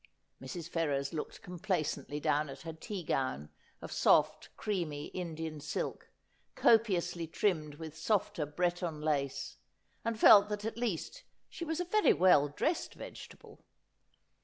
Mrs. Ferrers looked complacently down at her tea gown of soft creamy Indian silk, copiously trimmed with softer Breton lace, and felt that at least she was a very well dressed vegetable.